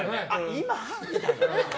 今？みたいな。